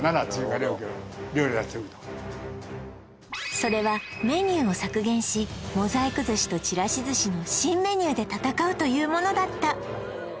それはメニューを削減しモザイク寿司とちらし寿司の新メニューで戦うというものだった